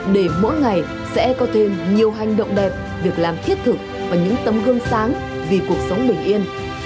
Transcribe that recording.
để mỗi ngày sẽ có thêm nhiều hành động đẹp việc làm thiết thực và những tấm gương sáng vì cuộc sống bình yên